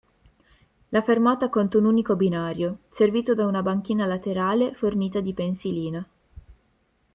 La fermata conta un unico binario, servito da una banchina laterale fornita di pensilina.